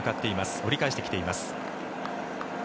折り返してきています。